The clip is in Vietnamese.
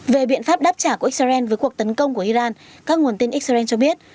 về biện pháp đáp trả của israel với cuộc tấn công của iran các nguồn tin israel cho biết